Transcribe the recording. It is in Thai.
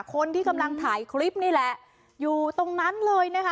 คนที่กำลังถ่ายคลิปนี่แหละอยู่ตรงนั้นเลยนะคะ